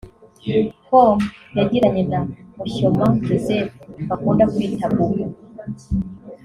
com yagiranye na Mushyoma Joseph bakunda kwita Boubou